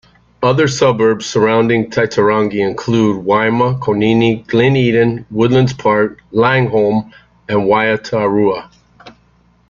Other suburbs surrounding Titirangi include Waima, Konini, Glen Eden, Woodlands Park, Laingholm and Waiatarua.